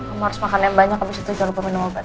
aku harus makan yang banyak abis itu jual buah minuman obat